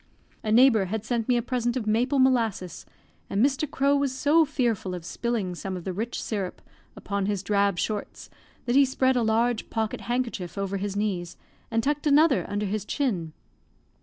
A neighbour had sent me a present of maple molasses, and Mr. Crowe was so fearful of spilling some of the rich syrup upon his drab shorts that he spread a large pocket hankerchief over his knees, and tucked another under his chin.